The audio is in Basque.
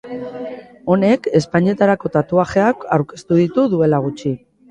Honek, ezpainetarako tatuajeak aurkeztu ditu duela gutxi.